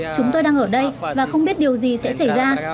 chúng tôi đang ở đây và không biết điều gì sẽ xảy ra